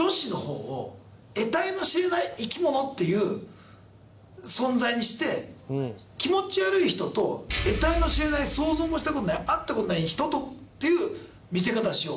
っていう存在にして気持ち悪い人と得体の知れない想像もした事ない会った事ない人とっていう見せ方をしよう。